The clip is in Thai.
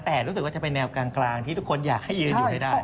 แต่รู้สึกว่าจะเป็นแนวกลางที่ทุกคนอยากให้ยืนอยู่ให้ได้